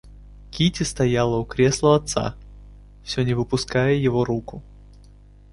Кити стояла у кресла отца, всё не выпуская его руку.